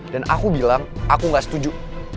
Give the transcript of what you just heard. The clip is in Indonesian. dan aku bilang aku gak setuju